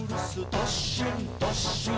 どっしんどっしん」